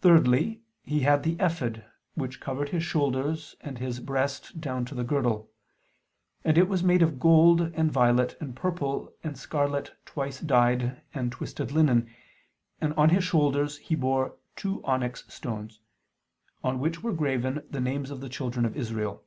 Thirdly, he had the ephod, which covered his shoulders and his breast down to the girdle; and it was made of gold, and violet and purple, and scarlet twice dyed and twisted linen: and on his shoulders he bore two onyx stones, on which were graven the names of the children of Israel.